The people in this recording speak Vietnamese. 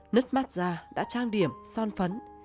nứt mắt ra đã trang điểm son phấn